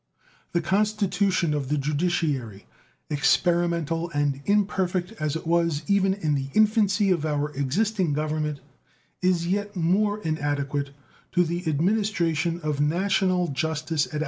The constitution of the judiciary, experimental and imperfect as it was even in the infancy of our existing Government, is yet more inadequate to the administration of national justice at our present maturity.